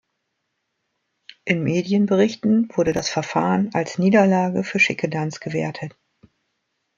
In Medienberichten wurde das Verfahren als Niederlage für Schickedanz gewertet.